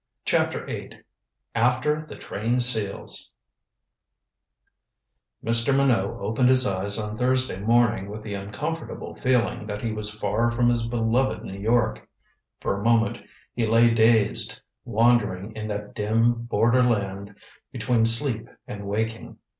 CHAPTER VIII AFTER THE TRAINED SEALS Mr. Minot opened his eyes on Thursday morning with the uncomfortable feeling that he was far from his beloved New York. For a moment he lay dazed, wandering in that dim borderland between sleep and waking.